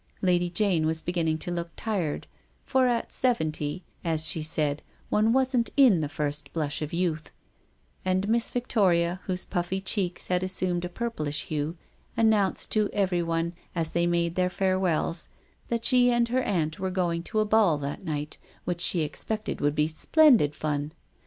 Lady Jane was beginning to look tired, for at seventy, as she said, one wasn't in the first blush of youth; and Miss Victoria, whose puffy cheeks had assumed a purplish hue, announced to everyone, as they made their farewells, that she and her aunt were going to a ball that night, which she expected would be "splendid fun."